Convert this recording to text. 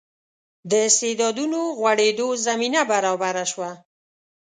د استعدادونو غوړېدو زمینه برابره شوه.